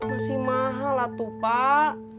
masih mahal atu pak